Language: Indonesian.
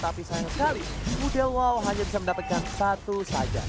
tapi sayang sekali fudolwo hanya bisa mendapatkan satu saja